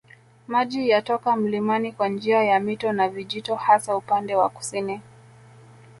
Maji yatoka mlimani kwa njia ya mito na vijito hasa upande wa kusini